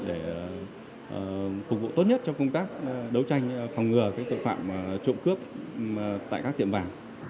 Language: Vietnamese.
để phục vụ tốt nhất cho công tác đấu tranh phòng ngừa tội phạm trộm cướp tại các tiệm vàng